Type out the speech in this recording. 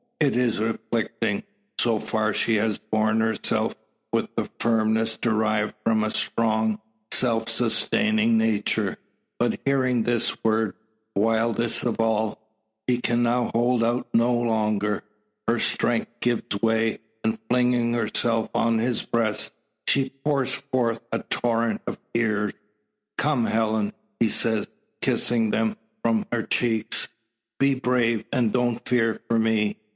it is afflicting! So far she has borne herself with the firmness derived from a strong, self sustaining nature. But hearing this word wildest of all she can hold out no longer. Her strength gives way, and flinging herself on his breast, she pours forth a torrent of tears. "Come, Helen!" he says, kissing them from her cheeks, "be brave, and don't fear for me.